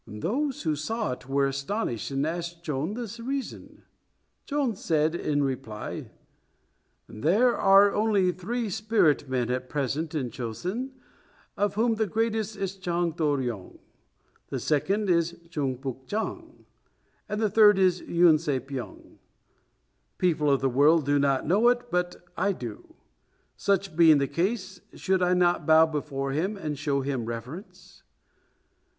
Those who saw it were astonished, and asked Chon the reason. Chon said in reply, "There are only three spirit men at present in Cho sen, of whom the greatest is Chang To ryong; the second is Cheung Puk chang; and the third is Yun Se pyong. People of the world do not know it, but I do. Such being the case, should I not bow before him and show him reverence?"